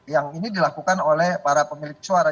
yang ini dilakukan oleh para pemilik suara